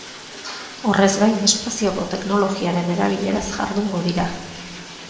Horrez gain, espazioko teknologiaren erabileraz jardungo dira.